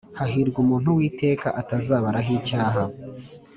Hahirwa umuntu Uwiteka atazabaraho icyaha